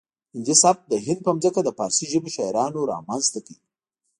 هندي سبک د هند په ځمکه د فارسي ژبو شاعرانو رامنځته کړ